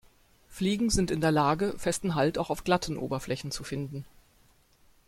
Fliegen sind in der Lage, festen Halt auch auf glatten Oberflächen zu finden.